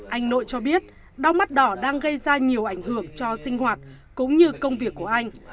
anh nội cho biết đau mắt đỏ đang gây ra nhiều ảnh hưởng cho sinh hoạt cũng như công việc của anh